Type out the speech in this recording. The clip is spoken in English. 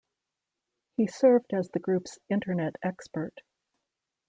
He served as the group's Internet expert.